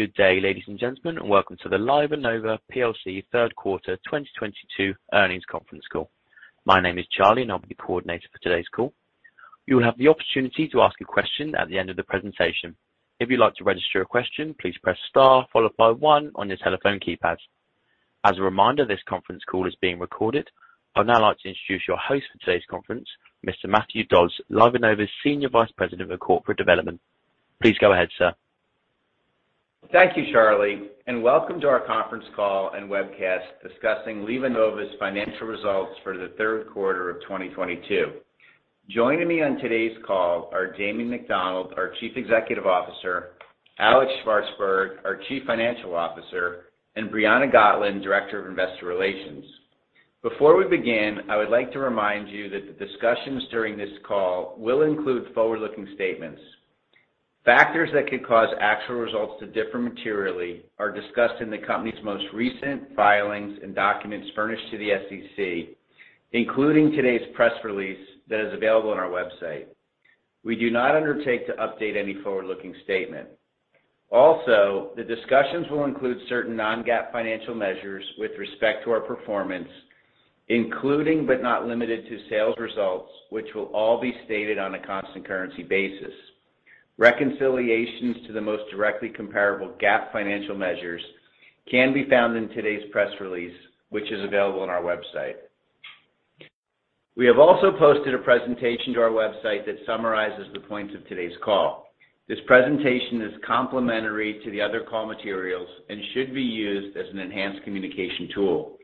Good day, ladies and gentlemen. Welcome to the LivaNova PLC third quarter 2022 earnings conference call. My name is Charlie, and I'll be the coordinator for today's call. You'll have the opportunity to ask a question at the end of the presentation. If you'd like to register a question, please press star followed by one on your telephone keypad. As a reminder, this conference call is being recorded. I'd now like to introduce your host for today's conference, Mr. Matthew Dodds, LivaNova's Senior Vice President of Corporate Development. Please go ahead, sir. Thank you, Charlie, and welcome to our conference call and webcast discussing LivaNova's financial results for the third quarter of 2022. Joining me on today's call are Damien McDonald, our Chief Executive Officer, Alex Shvartsburg, our Chief Financial Officer, and Briana Gotlin, Director of Investor Relations. Before we begin, I would like to remind you that the discussions during this call will include forward-looking statements. Factors that could cause actual results to differ materially are discussed in the company's most recent filings and documents furnished to the SEC, including today's press release that is available on our website. We do not undertake to update any forward-looking statement. Also, the discussions will include certain non-GAAP financial measures with respect to our performance, including, but not limited to sales results, which will all be stated on a constant currency basis. Reconciliations to the most directly comparable GAAP financial measures can be found in today's press release, which is available on our website. We have also posted a presentation to our website that summarizes the points of today's call. This presentation is complementary to the other call materials and should be used as an enhanced communication tool.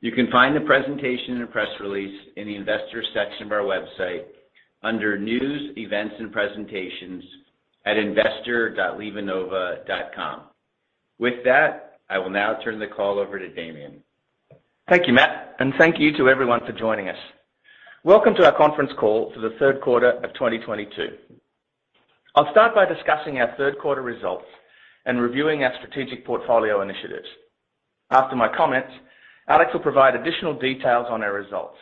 You can find the presentation and press release in the investor section of our website under News, Events, and Presentations at investor.livanova.com. With that, I will now turn the call over to Damien. Thank you, Matt, and thank you to everyone for joining us. Welcome to our conference call for the third quarter of 2022. I'll start by discussing our third quarter results and reviewing our strategic portfolio initiatives. After my comments, Alex will provide additional details on our results.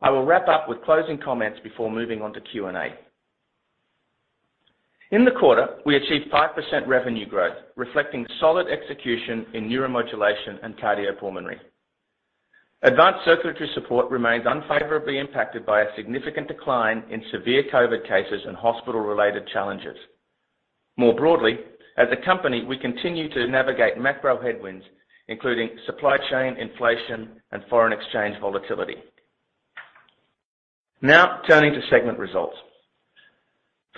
I will wrap up with closing comments before moving on to Q&A. In the quarter, we achieved 5% revenue growth, reflecting solid execution in neuromodulation and cardiopulmonary. Advanced circulatory support remains unfavorably impacted by a significant decline in severe COVID cases and hospital-related challenges. More broadly, as a company, we continue to navigate macro headwinds, including supply chain, inflation, and foreign exchange volatility. Now turning to segment results.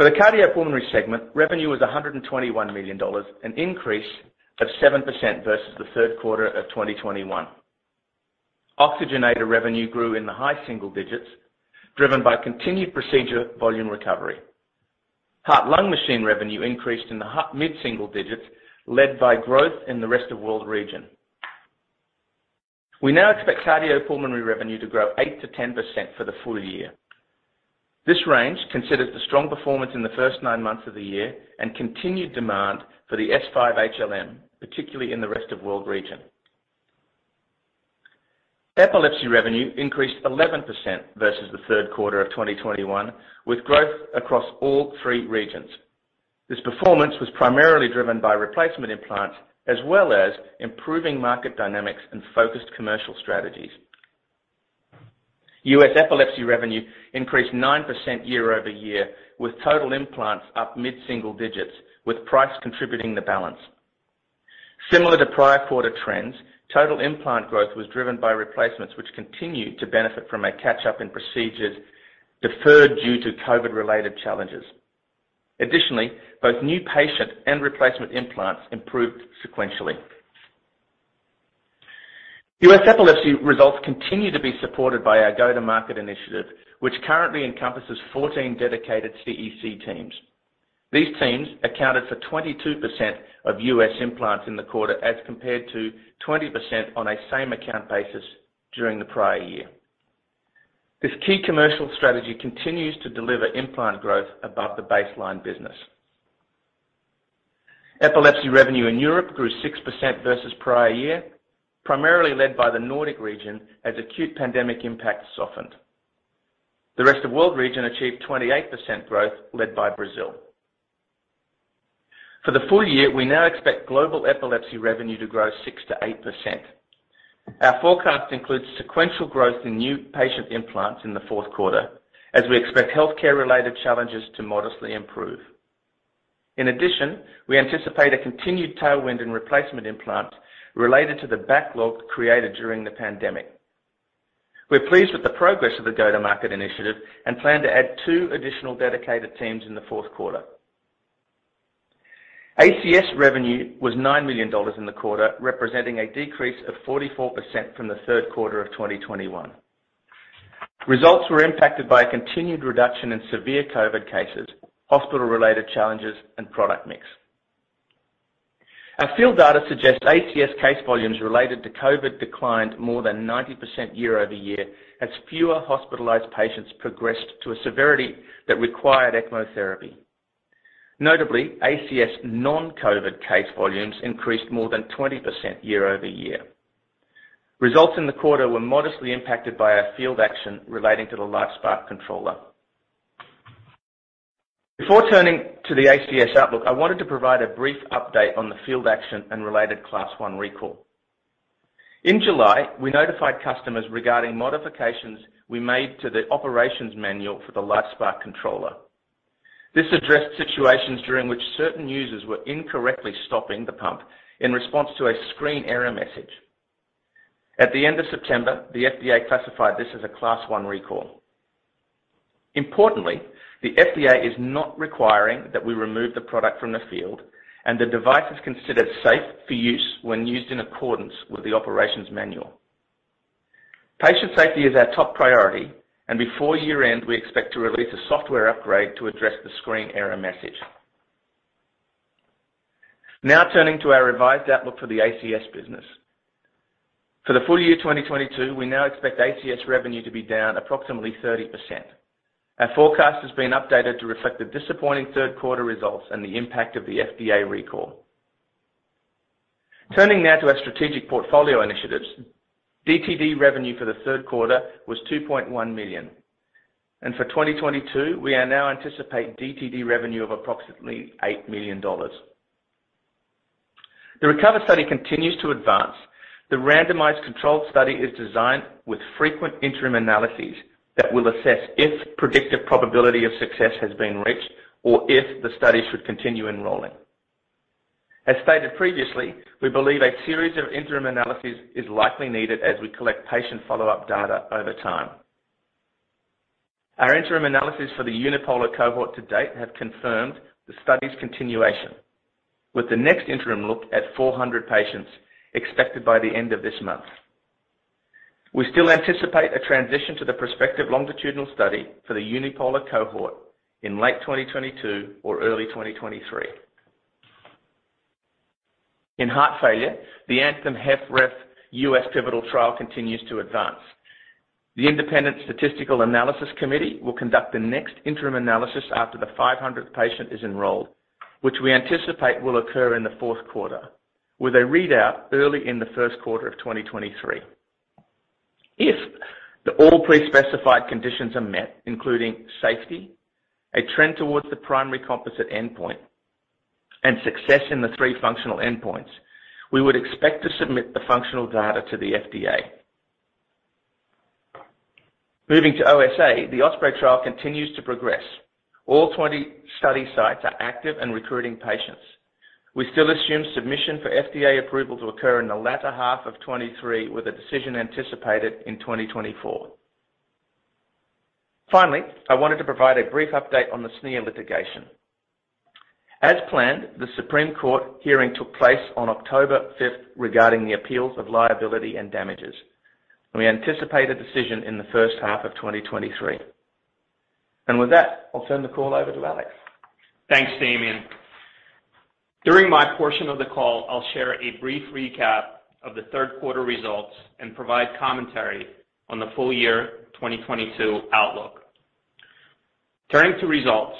For the cardiopulmonary segment, revenue was $121 million, an increase of 7% versus the third quarter of 2021. Oxygenator revenue grew in the high single digits, driven by continued procedure volume recovery. Heart-lung machine revenue increased in the mid-single digits, led by growth in the Rest of World region. We now expect cardiopulmonary revenue to grow 8%-10% for the full year. This range considers the strong performance in the first 9 months of the year and continued demand for the S5 HLM, particularly in the Rest of World region. Epilepsy revenue increased 11% versus the third quarter of 2021, with growth across all three regions. This performance was primarily driven by replacement implants, as well as improving market dynamics and focused commercial strategies. U.S. epilepsy revenue increased 9% year-over-year, with total implants up mid-single digits, with price contributing the balance. Similar to prior quarter trends, total implant growth was driven by replacements which continued to benefit from a catch-up in procedures deferred due to COVID-related challenges. Additionally, both new patient and replacement implants improved sequentially. U.S. epilepsy results continue to be supported by our go-to-market initiative, which currently encompasses 14 dedicated CEC teams. These teams accounted for 22% of U.S. implants in the quarter as compared to 20% on a same account basis during the prior year. This key commercial strategy continues to deliver implant growth above the baseline business. Epilepsy revenue in Europe grew 6% versus prior year, primarily led by the Nordic region as acute pandemic impact softened. The Rest of World region achieved 28% growth led by Brazil. For the full year, we now expect global epilepsy revenue to grow 6%-8%. Our forecast includes sequential growth in new patient implants in the fourth quarter as we expect healthcare-related challenges to modestly improve. In addition, we anticipate a continued tailwind in replacement implant related to the backlog created during the pandemic. We're pleased with the progress of the go-to-market initiative and plan to add two additional dedicated teams in the fourth quarter. ACS revenue was $9 million in the quarter, representing a decrease of 44% from the third quarter of 2021. Results were impacted by a continued reduction in severe COVID cases, hospital-related challenges, and product mix. Our field data suggests ACS case volumes related to COVID declined more than 90% year-over-year as fewer hospitalized patients progressed to a severity that required ECMO therapy. Notably, ACS non-COVID case volumes increased more than 20% year-over-year. Results in the quarter were modestly impacted by a field action relating to the LifeSPARC Controller. Before turning to the ACS outlook, I wanted to provide a brief update on the field action and related Class I recall. In July, we notified customers regarding modifications we made to the operations manual for the LifeSPARC Controller. This addressed situations during which certain users were incorrectly stopping the pump in response to a screen error message. At the end of September, the FDA classified this as a Class I recall. Importantly, the FDA is not requiring that we remove the product from the field, and the device is considered safe for use when used in accordance with the operations manual. Patient safety is our top priority, and before year-end, we expect to release a software upgrade to address the screen error message. Now turning to our revised outlook for the ACS business. For the full year 2022, we now expect ACS revenue to be down approximately 30%. Our forecast has been updated to reflect the disappointing third quarter results and the impact of the FDA recall. Turning now to our strategic portfolio initiatives. DTD revenue for the third quarter was $2.1 million. For 2022, we are now anticipating DTD revenue of approximately $8 million. The RECOVER study continues to advance. The randomized controlled study is designed with frequent interim analyses that will assess if predictive probability of success has been reached or if the study should continue enrolling. As stated previously, we believe a series of interim analyses is likely needed as we collect patient follow-up data over time. Our interim analysis for the Unipolar cohort to date have confirmed the study's continuation, with the next interim look at 400 patients expected by the end of this month. We still anticipate a transition to the prospective longitudinal study for the Unipolar cohort in late 2022 or early 2023. In heart failure, the ANTHEM-HFrEF U.S. pivotal trial continues to advance. The Independent Statistical Analysis Committee will conduct the next interim analysis after the 500th patient is enrolled, which we anticipate will occur in the fourth quarter, with a readout early in the first quarter of 2023. If the all pre-specified conditions are met, including safety, a trend towards the primary composite endpoint, and success in the three functional endpoints, we would expect to submit the functional data to the FDA. Moving to OSA, the OSPREY trial continues to progress. All 20 study sites are active in recruiting patients. We still assume submission for FDA approval to occur in the latter half of 2023, with a decision anticipated in 2024. Finally, I wanted to provide a brief update on the SNIA litigation. As planned, the Supreme Court hearing took place on October 5th regarding the appeals of liability and damages. We anticipate a decision in the first half of 2023. With that, I'll turn the call over to Alex. Thanks, Damien. During my portion of the call, I'll share a brief recap of the third quarter results and provide commentary on the full year 2022 outlook. Turning to results.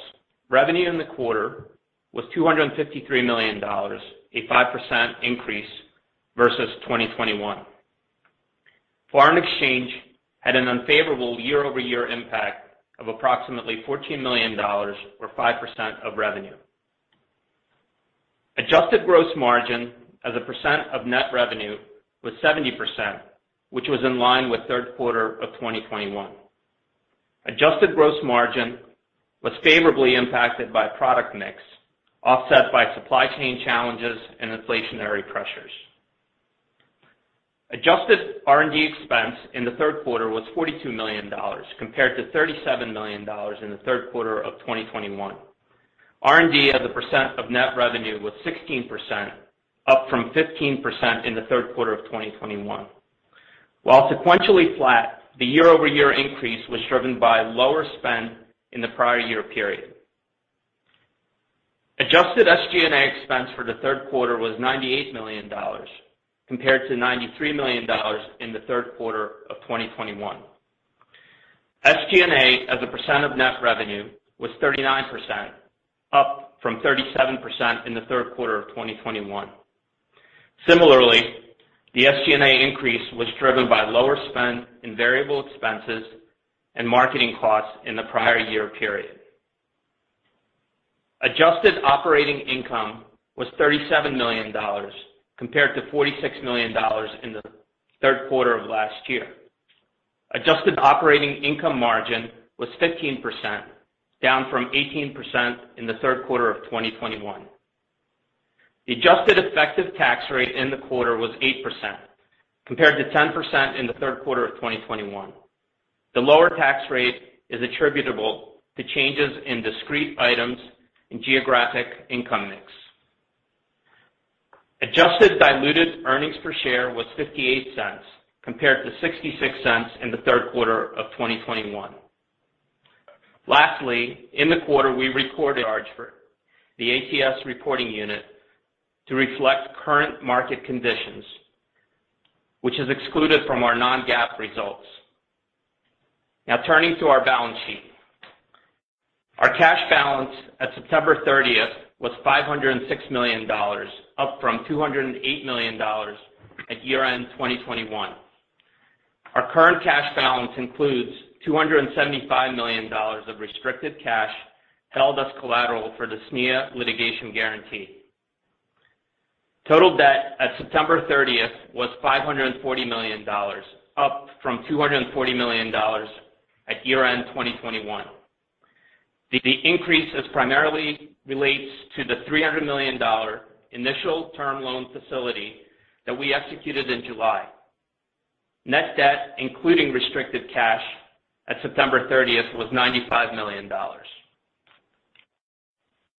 Revenue in the quarter was $253 million, a 5% increase versus 2021. Foreign exchange had an unfavorable year-over-year impact of approximately $14 million or 5% of revenue. Adjusted gross margin as a percent of net revenue was 70%, which was in line with third quarter of 2021. Adjusted gross margin was favorably impacted by product mix, offset by supply chain challenges and inflationary pressures. Adjusted R&D expense in the third quarter was $42 million, compared to $37 million in the third quarter of 2021. R&D as a percent of net revenue was 16%, up from 15% in the third quarter of 2021. While sequentially flat, the year-over-year increase was driven by lower spend in the prior year period. Adjusted SG&A expense for the third quarter was $98 million, compared to $93 million in the third quarter of 2021. SG&A as a percent of net revenue was 39%, up from 37% in the third quarter of 2021. Similarly, the SG&A increase was driven by lower spend in variable expenses and marketing costs in the prior year period. Adjusted operating income was $37 million, compared to $46 million in the third quarter of last year. Adjusted operating income margin was 15%, down from 18% in the third quarter of 2021. The adjusted effective tax rate in the quarter was 8%, compared to 10% in the third quarter of 2021. The lower tax rate is attributable to changes in discrete items and geographic income mix. Adjusted diluted earnings per share was $0.58, compared to $0.66 in the third quarter of 2021. Lastly, in the quarter, we recorded charge for the ATS reporting unit to reflect current market conditions, which is excluded from our non-GAAP results. Now turning to our balance sheet. Our cash balance at September thirtieth was $506 million, up from $208 million at year-end 2021. Our current cash balance includes $275 million of restricted cash held as collateral for the SNIA litigation guarantee. Total debt at September 30 was $540 million, up from $240 million at year-end 2021. The increase is primarily related to the $300 million initial term loan facility that we executed in July. Net debt, including restricted cash at September 30 was $95 million.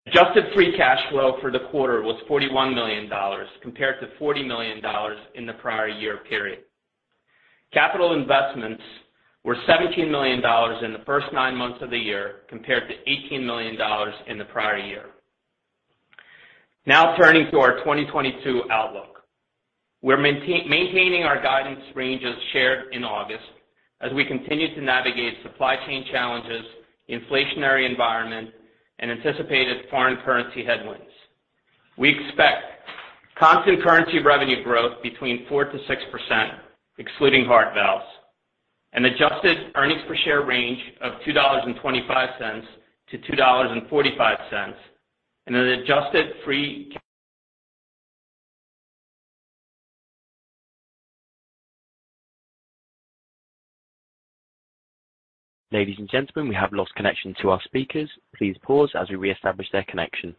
Adjusted free cash flow for the quarter was $41 million compared to $40 million in the prior year period. Capital investments were $17 million in the first nine months of the year, compared to $18 million in the prior year. Now turning to our 2022 outlook. We're maintaining our guidance ranges shared in August as we continue to navigate supply chain challenges, inflationary environment, and anticipated foreign currency headwinds. We expect constant currency revenue growth between 4%-6%, excluding heart valves, an adjusted earnings per share range of $2.25-$2.45, and an adjusted free- Ladies and gentlemen, we have lost connection to our speakers. Please pause as we reestablish their connection.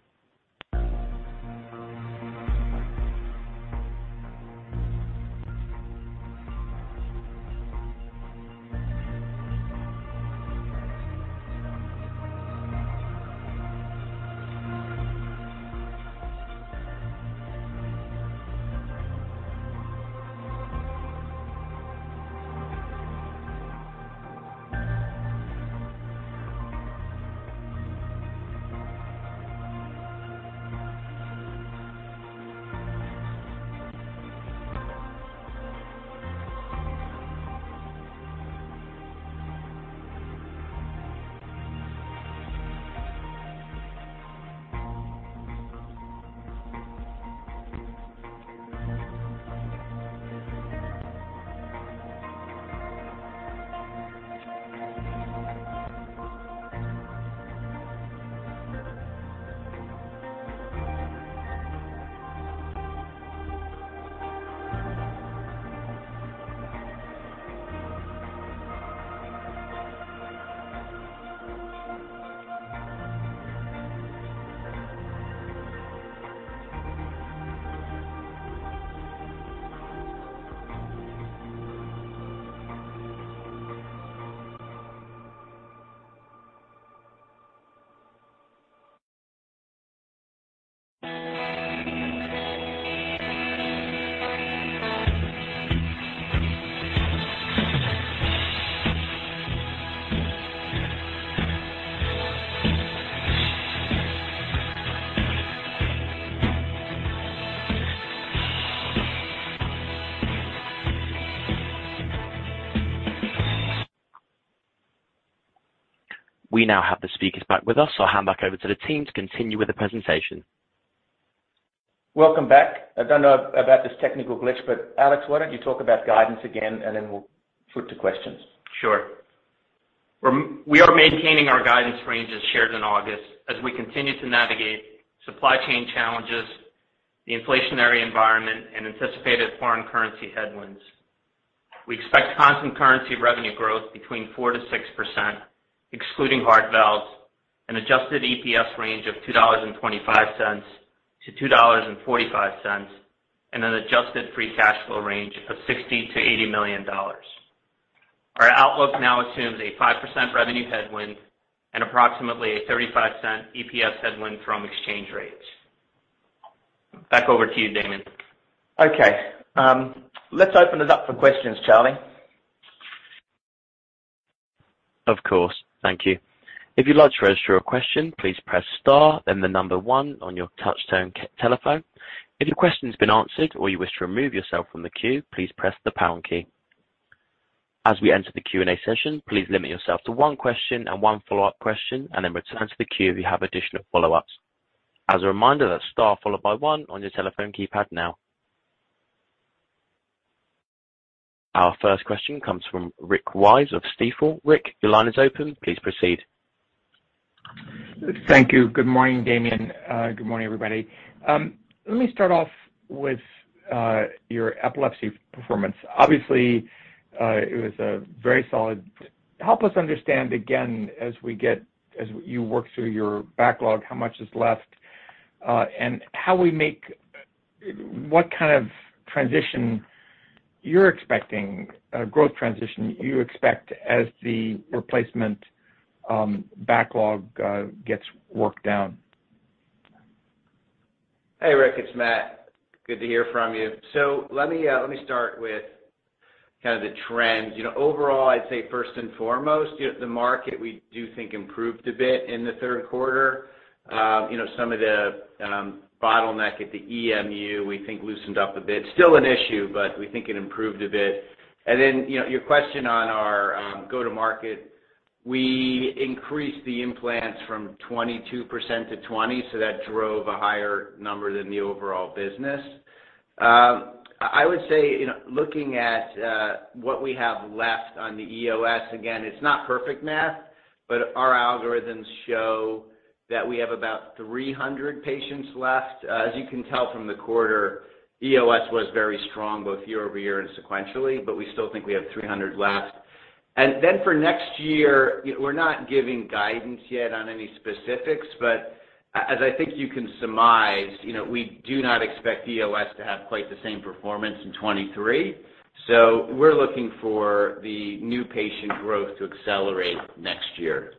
We now have the speakers back with us. I'll hand back over to the team to continue with the presentation. Welcome back. I don't know about this technical glitch, but Alex, why don't you talk about guidance again, and then we'll put to questions. Sure. We are maintaining our guidance range as shared in August as we continue to navigate supply chain challenges, the inflationary environment and anticipated foreign currency headwinds. We expect constant currency revenue growth between 4%-6%, excluding heart valves, an adjusted EPS range of $2.25-$2.45, and an adjusted free cash flow range of $60 million-$80 million. Our outlook now assumes a 5% revenue headwind and approximately a $0.35 EPS headwind from exchange rates. Back over to you, Damien. Okay, let's open it up for questions, Charlie. Of course. Thank you. If you'd like to register a question, please press star and the number one on your touch-tone telephone. If your question's been answered or you wish to remove yourself from the queue, please press the pound key. As we enter the Q&A session, please limit yourself to one question and one follow-up question and then return to the queue if you have additional follow-ups. As a reminder, that's star followed by one on your telephone keypad now. Our first question comes from Rick Wise of Stifel. Rick, your line is open. Please proceed. Thank you. Good morning, Damien. Good morning, everybody. Let me start off with your epilepsy performance. Obviously, it was a very solid. Help us understand again as we get, as you work through your backlog, how much is left, and how we make, what kind of transition you're expecting, growth transition you expect as the replacement backlog gets worked down. Hey, Rick, it's Matt. Good to hear from you. Let me start with kind of the trends. You know, overall, I'd say first and foremost, you know, the market we do think improved a bit in the third quarter. You know, some of the bottleneck at the EMU, we think loosened up a bit. Still an issue, but we think it improved a bit. You know, your question on our go-to-market, we increased the implants from 22% to 20%, so that drove a higher number than the overall business. I would say, you know, looking at what we have left on the EOS, again, it's not perfect math, but our algorithms show that we have about 300 patients left. As you can tell from the quarter, EOS was very strong, both year-over-year and sequentially, but we still think we have 300 left. For next year, we're not giving guidance yet on any specifics, but as I think you can surmise, you know, we do not expect EOS to have quite the same performance in 2023. So we're looking for the new patient growth to accelerate next year.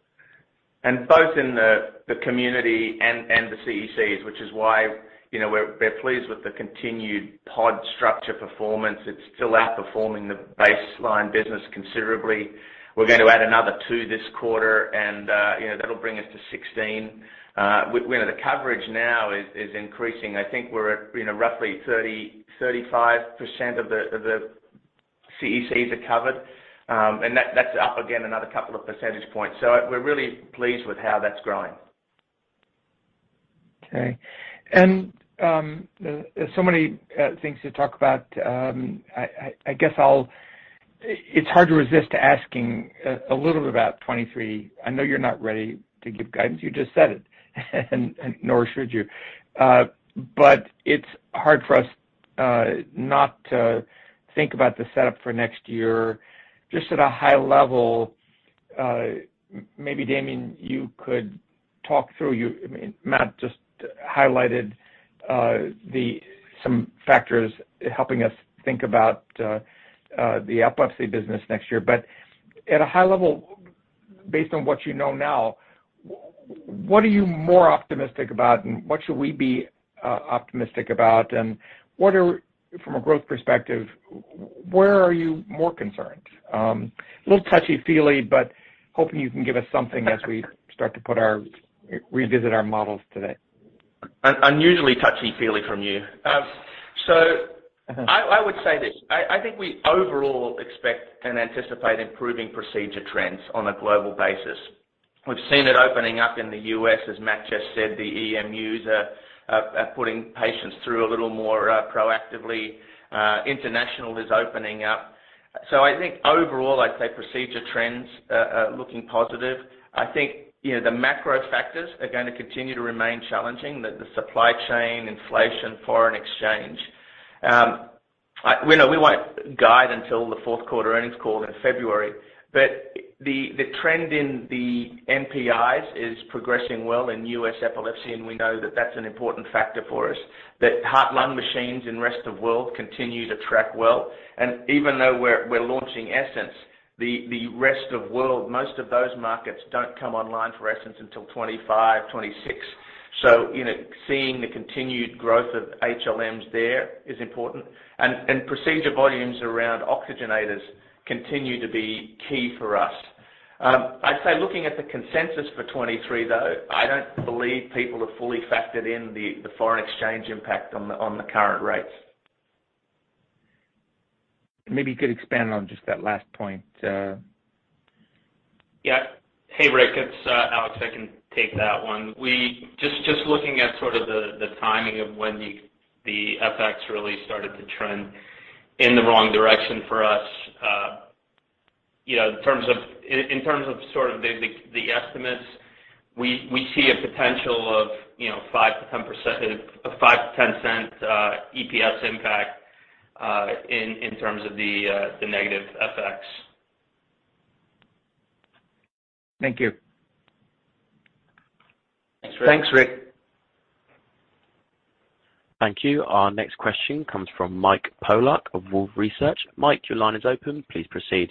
Both in the community and the CECs, which is why, you know, we're pleased with the continued pod structure performance. It's still outperforming the baseline business considerably. We're going to add another two this quarter and, you know, that'll bring us to 16. You know, the coverage now is increasing. I think we're at, you know, roughly 30%-35% of the CECs are covered. And that's up again another couple of percentage points. We're really pleased with how that's growing. Okay. So many things to talk about. I guess it's hard to resist asking a little about 2023. I know you're not ready to give guidance, you just said it, and nor should you. It's hard for us not to think about the setup for next year. Just at a high level, maybe Damien, you could talk through. I mean, Matt just highlighted some factors helping us think about the epilepsy business next year. At a high level, based on what you know now, what are you more optimistic about and what should we be optimistic about? What are, from a growth perspective, where are you more concerned? A little touchy, feely, but hoping you can give us something as we start to revisit our models today. Unusually touchy feely from you. I would say this. I think we overall expect and anticipate improving procedure trends on a global basis. We've seen it opening up in the U.S., as Matt just said, the EMUs are putting patients through a little more proactively. International is opening up. I think overall, I'd say procedure trends are looking positive. I think, you know, the macro factors are going to continue to remain challenging, the supply chain, inflation, foreign exchange. We know we won't guide until the fourth quarter earnings call in February. The trend in the NPIs is progressing well in U.S. epilepsy, and we know that that's an important factor for us. That heart-lung machines in Rest of World continue to track well. Even though we're launching Essenz, the Rest of World, most of those markets don't come online for Essenz until 2025, 2026. You know, seeing the continued growth of HLMs there is important. Procedure volumes around oxygenators continue to be key for us. I'd say looking at the consensus for 2023, though, I don't believe people have fully factored in the foreign exchange impact on the current rates. Maybe you could expand on just that last point. Yeah. Hey, Rick, it's Alex. I can take that one. Just looking at sort of the timing of when the FX really started to trend in the wrong direction for us, you know, in terms of sort of the estimates, we see a potential of, you know, $0.05-$0.10 EPS impact in terms of the negative FX. Thank you. Thanks, Rick. Thanks, Rick. Thank you. Our next question comes from Mike Polark of Wolfe Research. Mike, your line is open. Please proceed.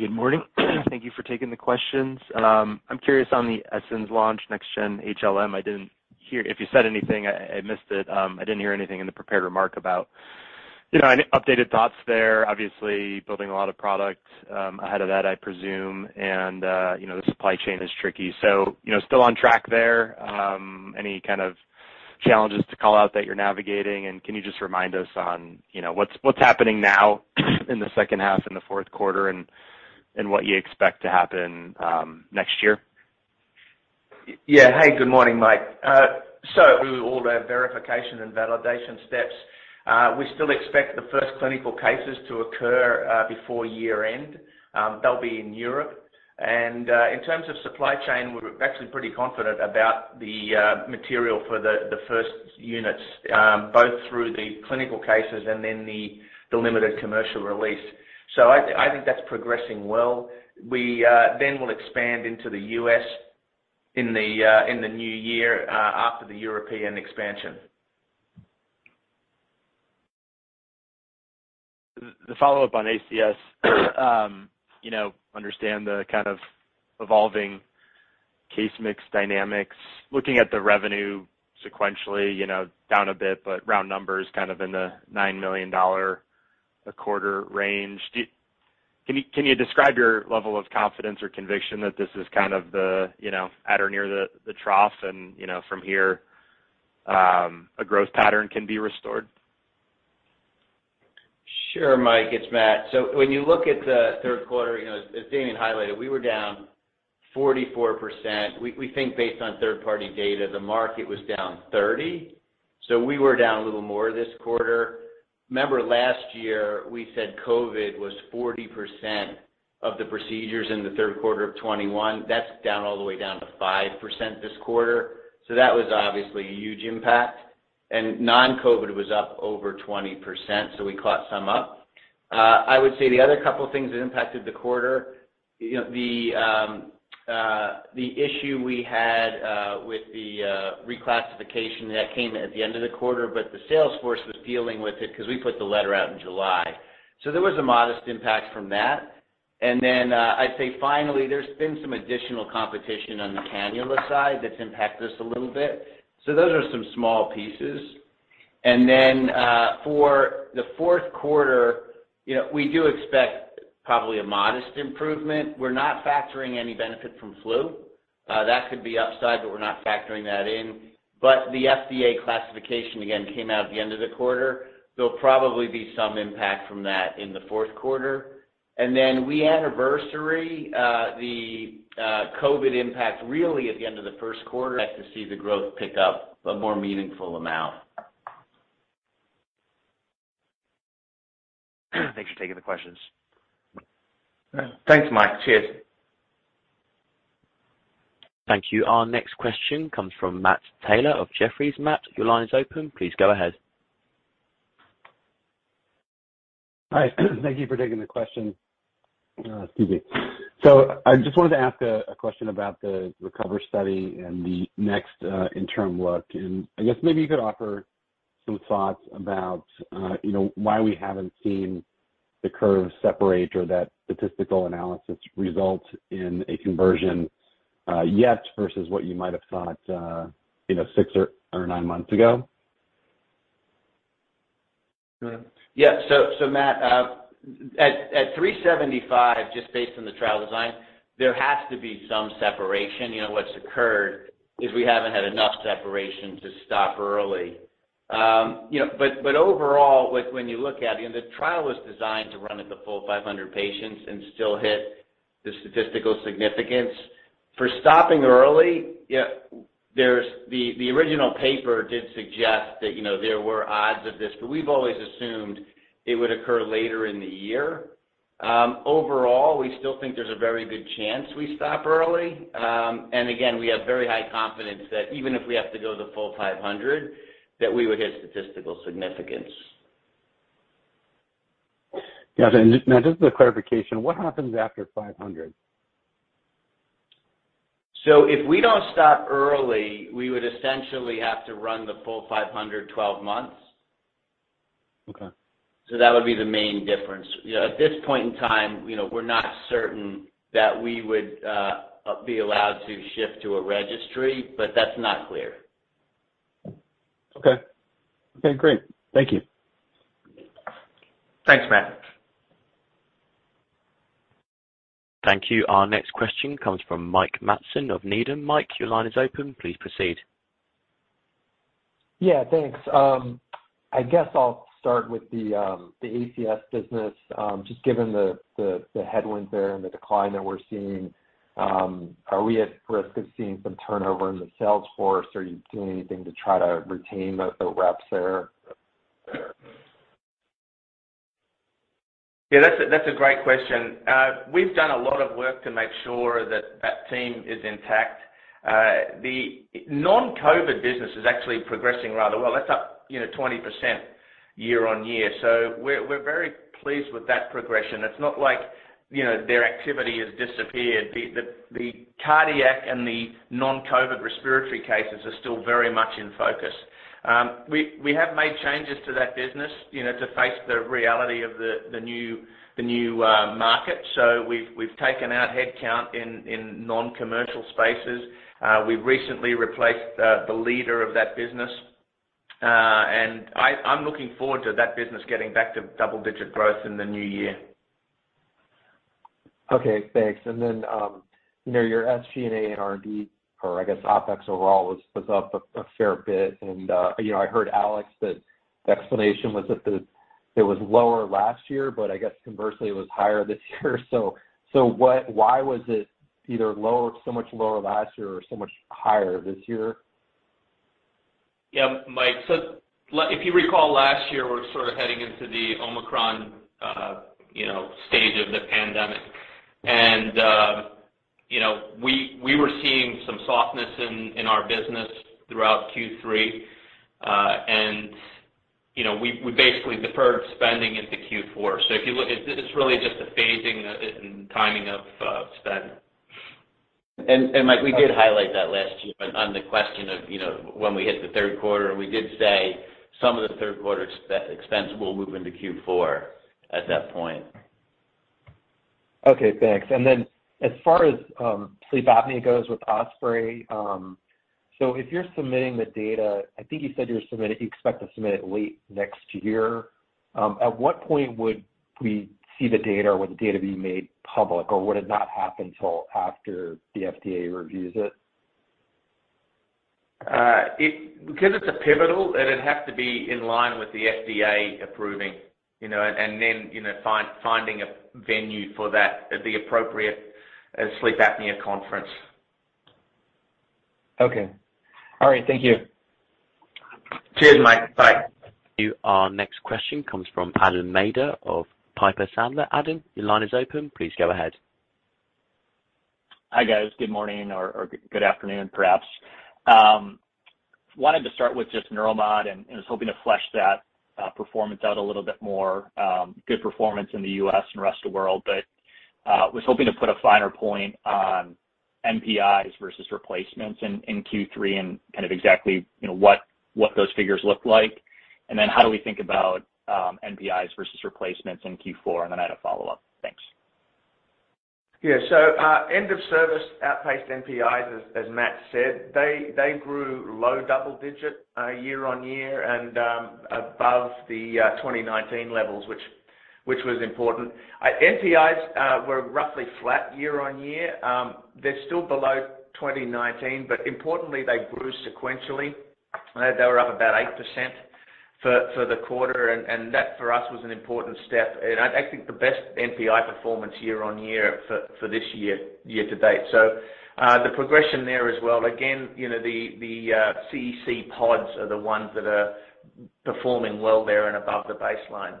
Good morning. Thank you for taking the questions. I'm curious on the Essenz launch, NextGen HLM. I didn't hear if you said anything, I missed it. I didn't hear anything in the prepared remark about, you know, any updated thoughts there. Obviously, building a lot of product, ahead of that, I presume. And, you know, the supply chain is tricky. So, you know, still on track there, any kind of challenges to call out that you're navigating? And can you just remind us on, you know, what's happening now in the second half, in the fourth quarter and what you expect to happen, next year? Yeah. Hey, good morning, Mike. All our verification and validation steps, we still expect the first clinical cases to occur before year-end. They'll be in Europe. In terms of supply chain, we're actually pretty confident about the material for the first units, both through the clinical cases and then the limited commercial release. I think that's progressing well. We will expand into the U.S. in the new year, after the European expansion. The follow-up on ACS. You know, understand the kind of evolving case mix dynamics. Looking at the revenue sequentially, you know, down a bit, but round numbers kind of in the $9 million a quarter range. Can you describe your level of confidence or conviction that this is kind of the, you know, at or near the trough and, you know, from here, a growth pattern can be restored? Sure, Mike, it's Matt. When you look at the third quarter, you know, as Damien highlighted, we were down 44%. We think based on third-party data, the market was down 30%, so we were down a little more this quarter. Remember last year, we said COVID was 40% of the procedures in the third quarter of 2021. That's down all the way to 5% this quarter. That was obviously a huge impact. Non-COVID was up over 20%, so we caught some up. I would say the other couple of things that impacted the quarter, you know, the issue we had with the reclassification that came at the end of the quarter, but the sales force was dealing with it because we put the letter out in July. There was a modest impact from that. I'd say finally, there's been some additional competition on the cannula side that's impacted us a little bit. Those are some small pieces. For the fourth quarter, you know, we do expect probably a modest improvement. We're not factoring any benefit from flu. That could be upside, but we're not factoring that in. The FDA classification again came out at the end of the quarter. There'll probably be some impact from that in the fourth quarter. We anniversary the COVID impact really at the end of the first quarter, expect to see the growth pick up a more meaningful amount. Thanks for taking the questions. Thanks, Mike. Cheers. Thank you. Our next question comes from Matt Taylor of Jefferies. Matt, your line is open. Please go ahead. Hi. Thank you for taking the question. Excuse me. I just wanted to ask a question about the RECOVER study and the next interim look. I guess maybe you could offer some thoughts about, you know, why we haven't seen the curve separate or that statistical analysis result in a conversion yet versus what you might have thought, you know, six or nine months ago? Yeah. Yeah. Matt, at 375, just based on the trial design, there has to be some separation. You know, what's occurred is we haven't had enough separation to stop early. You know, overall, when you look at it, you know, the trial was designed to run at the full 500 patients and still hit the statistical significance. For stopping early, yeah, the original paper did suggest that, you know, there were odds of this, but we've always assumed it would occur later in the year. Overall, we still think there's a very good chance we stop early. Again, we have very high confidence that even if we have to go the full 500, that we would hit statistical significance. Yeah. Just as a clarification, what happens after 500? If we don't stop early, we would essentially have to run the full 512 months. Okay. That would be the main difference. You know, at this point in time, you know, we're not certain that we would be allowed to shift to a registry, but that's not clear. Okay. Okay, great. Thank you. Thanks, Matt. Thank you. Our next question comes from Mike Matson of Needham. Mike, your line is open. Please proceed. Yeah, thanks. I guess I'll start with the ACS business. Just given the headwinds there and the decline that we're seeing, are we at risk of seeing some turnover in the sales force? Are you doing anything to try to retain the reps there? Yeah, that's a great question. We've done a lot of work to make sure that team is intact. The non-COVID business is actually progressing rather well. That's up, you know, 20% year-on-year. We're very pleased with that progression. It's not like, you know, their activity has disappeared. The cardiac and the non-COVID respiratory cases are still very much in focus. We have made changes to that business, you know, to face the reality of the new market. We've taken out head count in non-commercial spaces. We've recently replaced the leader of that business. And I'm looking forward to that business getting back to double-digit growth in the new year. Okay, thanks. Then, you know, your SG&A and R&D or I guess OpEx overall was up a fair bit. You know, I heard Alex the explanation was that it was lower last year, but I guess conversely, it was higher this year. Why was it either so much lower last year or so much higher this year? Yeah, Mike. So if you recall, last year, we were sort of heading into the Omicron, you know, stage of the pandemic. We were seeing some softness in our business throughout Q3. You know, we basically deferred spending into Q4. If you look, it's really just a phasing and timing of spend. Mike, we did highlight that last year on the question of, you know, when we hit the third quarter, we did say some of the third quarter expense will move into Q4 at that point. Okay, thanks. As far as sleep apnea goes with OSPREY, if you're submitting the data, I think you said you expect to submit it late next year. At what point would we see the data? Or would the data be made public, or would it not happen till after the FDA reviews it? Because it's a pivotal, it'd have to be in line with the FDA approving, you know, and then, you know, finding a venue for that at the appropriate sleep apnea conference. Okay. All right, thank you. Cheers, Mike. Bye. Our next question comes from Adam Maeder of Piper Sandler. Adam, your line is open. Please go ahead. Hi, guys. Good morning or good afternoon, perhaps. Wanted to start with just Neuromodulation and was hoping to flesh that performance out a little bit more. Good performance in the U.S. and Rest of the World, but was hoping to put a finer point on NPIs versus replacements in Q3 and kind of exactly, you know, what those figures look like. How do we think about NPIs versus replacements in Q4? I had a follow-up. Thanks. Yeah. End of service outpaced NPIs as Matt said. They grew low double-digit year-on-year and above the 2019 levels, which was important. NPIs were roughly flat year-on-year. They're still below 2019, but importantly, they grew sequentially. They were up about 8% for the quarter, and that for us was an important step. I think the best NPI performance year-on-year for this year-to-date. The progression there as well, again, you know, the CEC pods are the ones that are performing well there and above the baseline.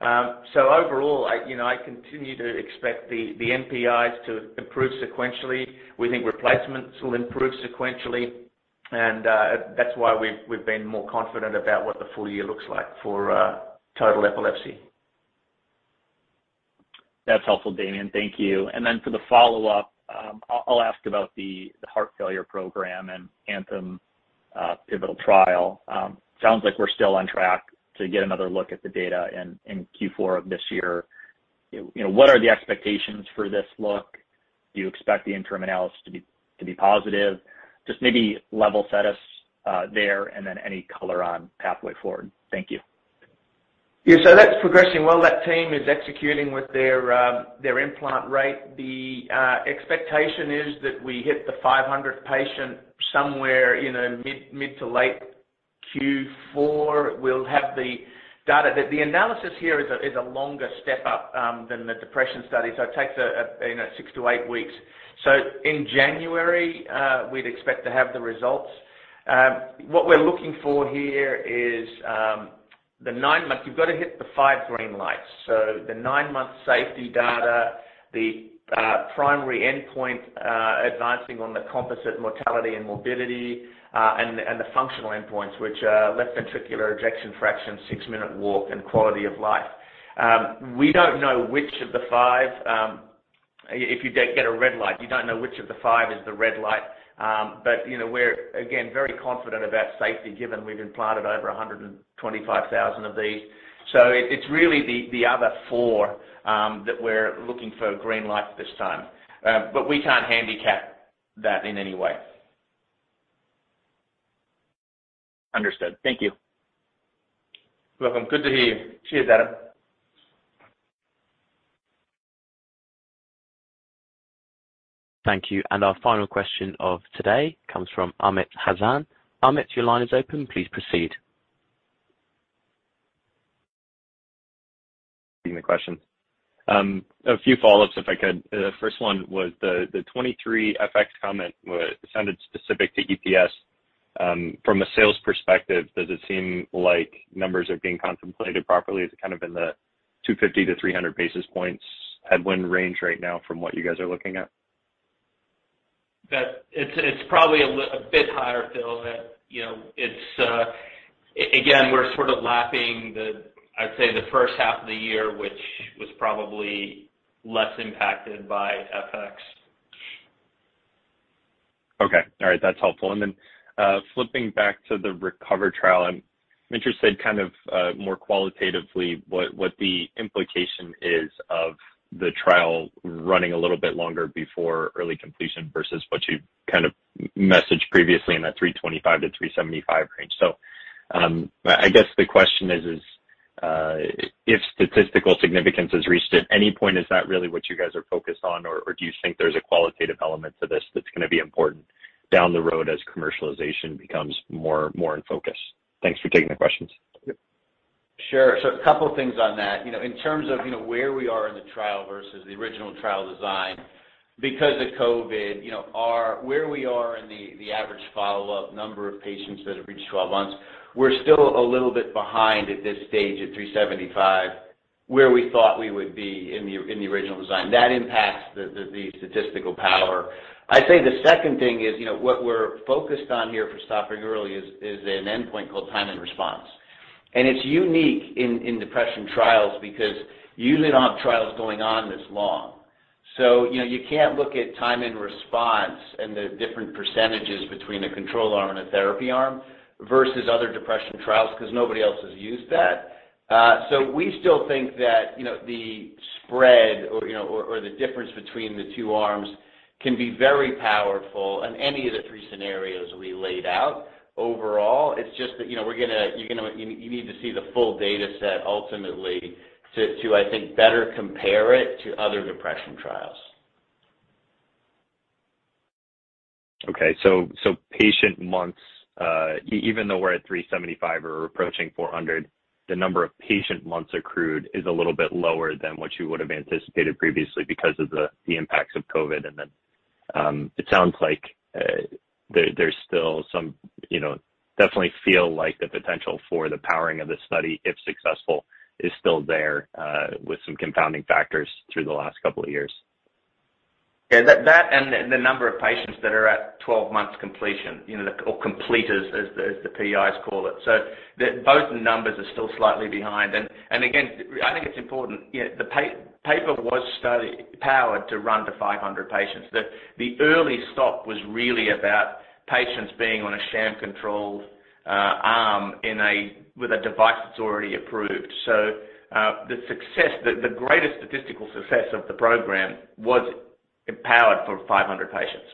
Overall, I continue to expect the NPIs to improve sequentially. We think replacements will improve sequentially, and that's why we've been more confident about what the full year looks like for total epilepsy. That's helpful, Damien. Thank you. For the follow-up, I'll ask about the heart failure program and ANTHEM pivotal trial. Sounds like we're still on track to get another look at the data in Q4 of this year. You know, what are the expectations for this look? Do you expect the interim analysis to be positive? Just maybe level set us there and then any color on pathway forward. Thank you. Yeah. That's progressing well. That team is executing with their implant rate. The expectation is that we hit the 500-patient somewhere in the mid- to late Q4. We'll have the data. The analysis here is a longer step up than the depression study, so it takes, you know, six to eight weeks. In January, we'd expect to have the results. What we're looking for here is the nine-month. You've got to hit the five green lights. The nine-month safety data, the primary endpoint, advancing on the composite mortality and morbidity, and the functional endpoints, which are left ventricular ejection fraction, six-minute walk and quality of life. We don't know which of the five, if you get a red light, you don't know which of the five is the red light. You know, we're again very confident about safety given we've implanted over 125,000 of these. It's really the other four that we're looking for a green light this time. We can't handicap that in any way. Understood. Thank you. Welcome. Good to hear you. Cheers, Adam. Thank you. Our final question of today comes from Amit Hazan. Amit, your line is open. Please proceed. The question. A few follow-ups, if I could. The first one was the 23% FX comment sounded specific to EPS. From a sales perspective, does it seem like numbers are being contemplated properly? Is it kind of in the 250 to 300 basis points headwind range right now from what you guys are looking at? That it's probably a bit higher, Phil. That, you know, it's again, we're sort of lapping the, I'd say, the first half of the year, which was probably less impacted by FX. Okay. All right. That's helpful. Flipping back to the RECOVER trial, I'm interested kind of more qualitatively what the implication is of the trial running a little bit longer before early completion versus what you kind of messaged previously in that 325-375 range. I guess the question is, if statistical significance is reached at any point, is that really what you guys are focused on or do you think there's a qualitative element to this that's gonna be important down the road as commercialization becomes more in focus? Thanks for taking the questions. Sure. A couple of things on that. You know, in terms of, you know, where we are in the trial versus the original trial design, because of COVID, you know, where we are in the average follow-up number of patients that have reached 12 months, we're still a little bit behind at this stage at 375, where we thought we would be in the original design. That impacts the statistical power. I'd say the second thing is, you know, what we're focused on here for stopping early is an endpoint called time and response. It's unique in depression trials because usually don't have trials going on this long. You know, you can't look at time and response and the different percentages between a control arm and a therapy arm versus other depression trials because nobody else has used that. We still think that, you know, the spread or the difference between the two arms can be very powerful in any of the three scenarios we laid out. Overall, it's just that, you know, you need to see the full data set ultimately to I think better compare it to other depression trials. Patient months, even though we're at 375 or approaching 400, the number of patient months accrued is a little bit lower than what you would have anticipated previously because of the impacts of COVID. It sounds like there's still some, you know, definitely feel like the potential for the powering of the study, if successful, is still there with some compounding factors through the last couple of years. Yeah. That and the number of patients that are at 12 months completion, you know, or completers as the PIs call it. Both numbers are still slightly behind. Again, I think it's important, you know, the study was powered to run to 500 patients. The early stop was really about patients being on a sham controlled arm with a device that's already approved. The greatest statistical success of the program was powered for 500 patients.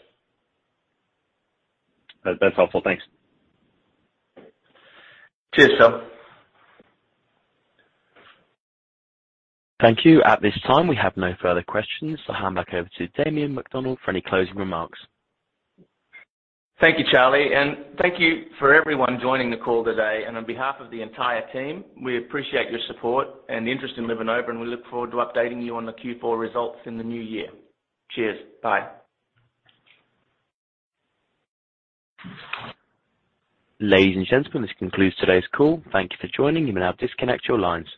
That's helpful. Thanks. Cheers, sir. Thank you. At this time, we have no further questions, so I'll hand back over to Damien McDonald for any closing remarks. Thank you, Charlie, and thank you for everyone joining the call today. On behalf of the entire team, we appreciate your support and interest in LivaNova, and we look forward to updating you on the Q4 results in the new year. Cheers. Bye. Ladies and gentlemen, this concludes today's call. Thank you for joining. You may now disconnect your lines.